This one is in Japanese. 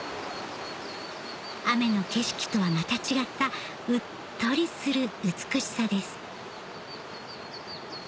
雨の景色とはまた違ったうっとりする美しさです